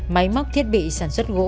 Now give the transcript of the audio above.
máy móc thiết bị sản xuất gỗ